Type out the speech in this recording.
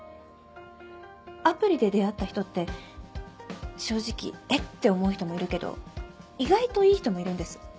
アプリで出会った人って正直「えっ」て思う人もいるけど意外といい人もいるんです。